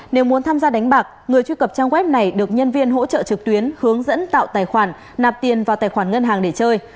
nếu muốn tham gia đánh bạc người truy cập trang web này được nhân viên hỗ trợ trực tuyến hướng dẫn tạo tài khoản nạp tiền vào tài khoản ngân hàng để chơi